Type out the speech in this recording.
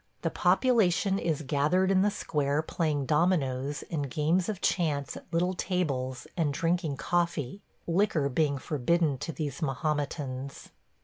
The population is gathered in the square playing dominoes and games of chance at little tables and drinking coffee – liquor being forbidden to these Mohometans.